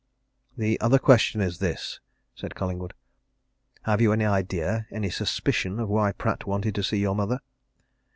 "The other question's this," said Collingwood. "Have you any idea, any suspicion of why Pratt wanted to see your mother?"